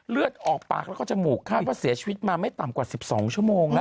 เลือดออกปากแล้วก็จมูกคาดว่าเสียชีวิตมาไม่ต่ำกว่า๑๒ชั่วโมงนะ